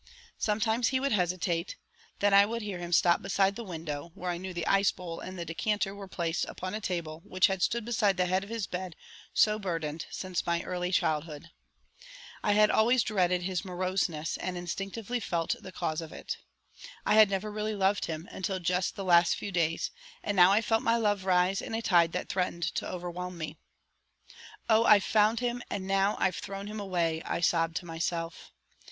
Sometimes he would hesitate; then I would hear him stop beside the window, where I knew the ice bowl and the decanter were placed upon a table which had stood beside the head of his bed so burdened since my early childhood. I had always dreaded his moroseness and instinctively felt the cause of it. I had never really loved him until just the last few days, and now I felt my love rise in a tide that threatened to overwhelm me. "Oh, I found him, and now I've thrown him away," I sobbed to myself.